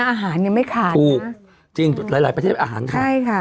อาหารยังไม่ขาดถูกจริงหลายหลายประเทศอาหารขายใช่ค่ะ